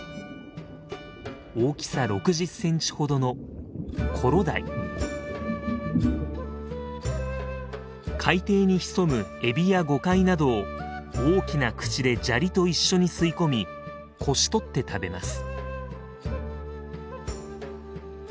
大きさ６０センチほどの海底に潜むエビやゴカイなどを大きな口で砂利と一緒に吸い込みこし取って食べます。